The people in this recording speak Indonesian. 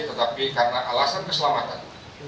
tetapi karena alasan keselamatan